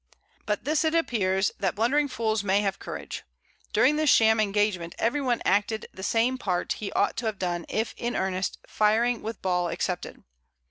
By this it appears, that blundering Fools may have Courage. During this sham [Sidenote: In Tecames Road.] Engagement, every one acted the same Part he ought to have done, if in earnest, firing with Ball excepted.